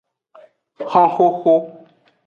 Honxoxo.